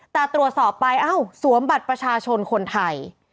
แต่ตรวจสอบไปเอ้าสวมบัตรประชาชนคนไทย